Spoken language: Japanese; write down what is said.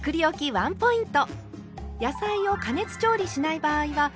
ワンポイント。